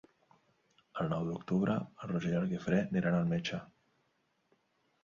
El nou d'octubre en Roger i en Guifré aniran al metge.